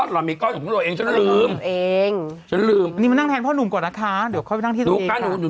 อ๋อลำอีกก้อนฉันลืมนี่มานั่งแทนพ่อหนุ่มก่อนนะคะเดี๋ยวเข้าไปนั่งที่นั่นเอง